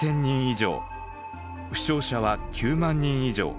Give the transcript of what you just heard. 負傷者は９万人以上。